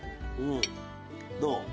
どう？